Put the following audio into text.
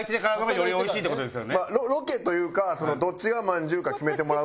ロケというかどっちがまんじゅうか決めてもらう。